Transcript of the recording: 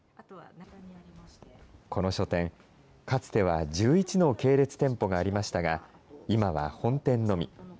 この書店、かつては１１の系列店舗がありましたが、今は本店のみ。